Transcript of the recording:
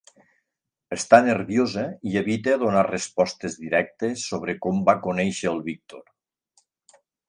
Està nerviosa i evita donar respostes directes sobre com va conèixer el Víctor.